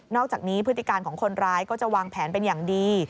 อกจากนี้พฤติการของคนร้ายก็จะวางแผนเป็นอย่างดี